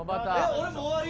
俺もう終わり？